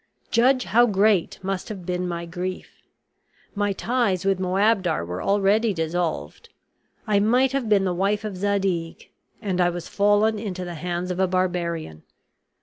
Judge how great must have been my grief. My ties with Moabdar were already dissolved; I might have been the wife of Zadig; and I was fallen into the hands of a barbarian.